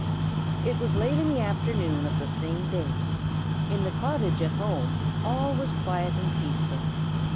IT was late in the afternoon of the same day. In the cottage at home all was quiet and peaceful.